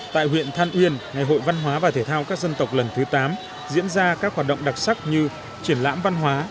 tại huyện than uyên ngày hội văn hóa và thể thao các dân tộc lần thứ tám diễn ra các hoạt động đặc sắc như triển lãm văn hóa